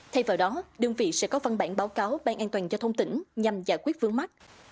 thay vào đó đơn vị sẽ có văn bản báo cáo ban an toàn giao thông tỉnh nhằm giải quyết vướng mắt